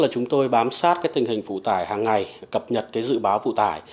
chúng tôi bám sát tình hình phụ tải hàng ngày cập nhật dự báo phụ tải